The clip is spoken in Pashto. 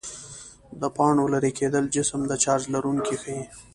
د پاڼو لیري کېدل جسم د چارج لرونکی ښيي.